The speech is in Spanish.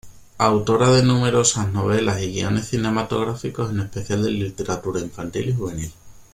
Autora de numerosas novelas y guiones cinematográficos, en especial de literatura infantil y juvenil.